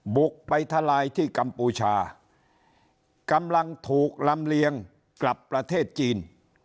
บุกไปทลายที่กัมพูชากำลังถูกลำเลียงกลับประเทศจีน